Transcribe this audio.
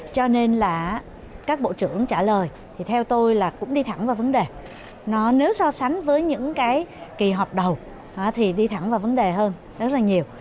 cho nên là các bộ trưởng trả lời thì theo tôi là cũng đi thẳng vào vấn đề nếu so sánh với những cái kỳ họp đầu thì đi thẳng vào vấn đề hơn rất là nhiều